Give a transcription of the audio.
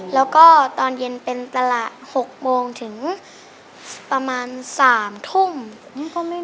แล้วก็ตอนเย็นเป็นตลาด๖โมงถึงประมาณ๓ทุ่ม